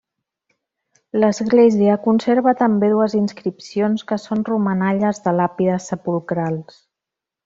L'església conserva també dues inscripcions que són romanalles de làpides sepulcrals.